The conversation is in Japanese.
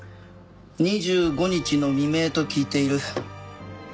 ２５日の未明と聞いている。